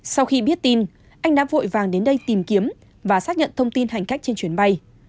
sau khi biết tin anh đã vội vàng đến đây tìm kiếm và xác nhận thông tin hành khách trên chuyến bay